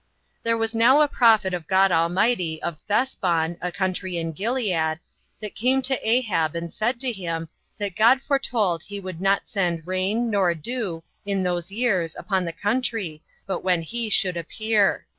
2. There was now a prophet of God Almighty, of Thesbon, a country in Gilead, that came to Ahab, and said to him, that God foretold he would not send rain nor dew in those years upon the country but when he should appear.